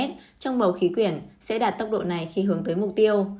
trong bầu khí quyển sẽ đạt tốc độ này khi hướng tới mục tiêu